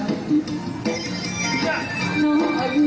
กลับมาเท่าไหร่